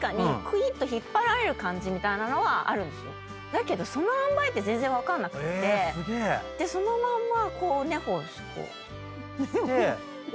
だけどそのあんばいって全然分かんなくってそのまんま寝歩。で起きるの？